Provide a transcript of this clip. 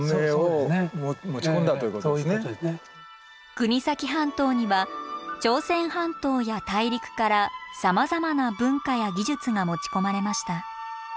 国東半島には朝鮮半島や大陸からさまざまな文化や技術が持ち込まれました。